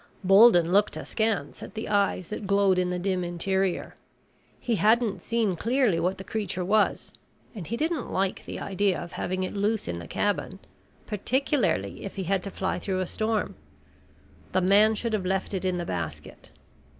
Bolden looked askance at the eyes that glowed in the dim interior. He hadn't seen clearly what the creature was and he didn't like the idea of having it loose in the cabin, particularly if he had to fly through a storm. The man should have left it in the basket.